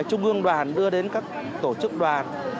trung ương đoàn đưa đến các tổ chức đoàn